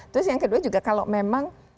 terus yang kedua juga kalau memang